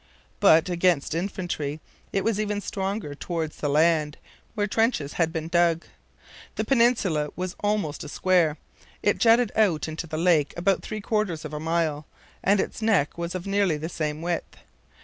But, against infantry, it was even stronger towards the land, where trenches had been dug. The peninsula was almost a square. It jutted out into the lake about three quarters of a mile, and its neck was of nearly the same width.